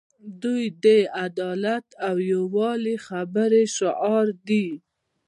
دوی د عدالت او یووالي خبرې شعار دي.